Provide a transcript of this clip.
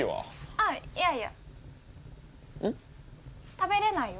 食べれないよ。